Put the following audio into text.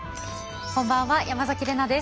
こんばんは山崎怜奈です。